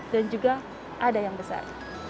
dan juga ada yang besar